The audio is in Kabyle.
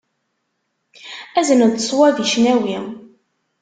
Azen-d ṣwab i cnawi.